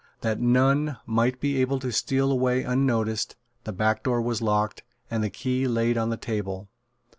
That none might be able to steal away unnoticed, the back door was locked, and the key laid on the table.